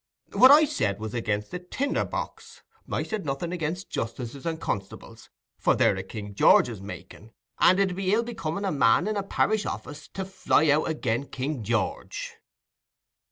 What I said was against the tinder box: I said nothing against justices and constables, for they're o' King George's making, and it 'ud be ill becoming a man in a parish office to fly out again' King George."